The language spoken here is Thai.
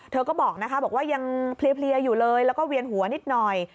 เธอก็บอกนะคะบอกว่ายังเพลียอยู่เลยแล้วก็เวียนหัวนิดหน่อย